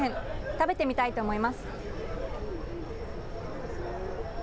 食べてみたいと思います。